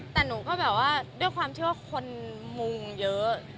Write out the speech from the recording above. แต่หนูก็แบบว่าด้วยความเชื่อว่าคนมุงเยอะ